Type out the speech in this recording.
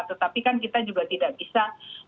tetapi kan kita juga tidak bisa